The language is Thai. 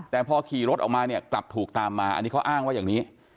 แต่พอขี่รถออกมาเนี่ยกลับถูกตามมาอันนี้เขาอ้างว่าอย่างนี้